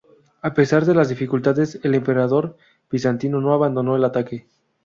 A pesar de las dificultades el emperador bizantino no abandono el ataque.